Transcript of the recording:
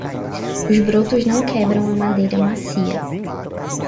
Os brotos não quebram a madeira macia.